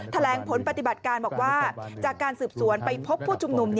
แถลงผลปฏิบัติการบอกว่าจากการสืบสวนไปพบผู้ชุมนุม